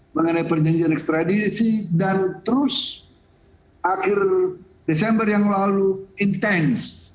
mengenai perjanjian ekstradisi dan terus akhir desember yang lalu intens